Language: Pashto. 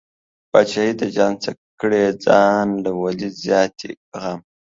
بادشاهي د جهان څه کړې، ځان له ولې زیاتی غم